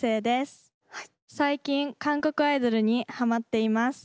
最近韓国アイドルにはまっています。